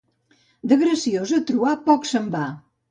De graciós a truà, poc se'n va.